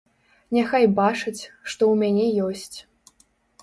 Няхай бачаць, што ў мяне ёсць.